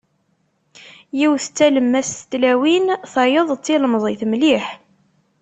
Yiwet d talemmast n tlawin, tayeḍt d tilmẓit mliḥ.